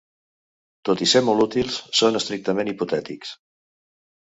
Tot i ser molt útils, són estrictament hipotètics.